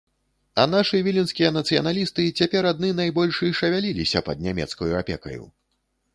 А нашы віленскія нацыяналісты цяпер адны найбольш і шавяліліся пад нямецкаю апекаю.